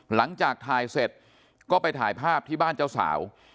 หลังจากถ่ายเสร็จก็ไปถ่ายภาพที่บ้านเจ้าสาว